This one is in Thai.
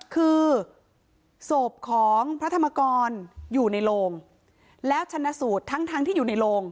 คือศพของพระธรรมกรอยู่ในโลงแล้วชนะสูตรทั้งที่อยู่ในโลง